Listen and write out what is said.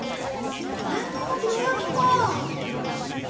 ドラえもんのどら焼きかあ。